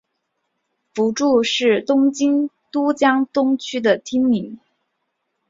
福住是东京都江东区的町名。